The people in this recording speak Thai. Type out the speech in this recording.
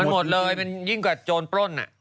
หมดเลยยิ่งกว่าโจรปล้น